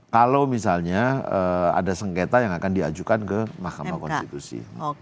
kalau misalnya ada sengketa yang akan diajukan ke mahkamah konstitusi